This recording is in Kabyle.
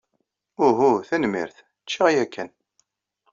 Uhu, tanemmirt. Ččiɣ ya kan.